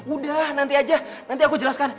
udah nanti aja nanti aku jelaskan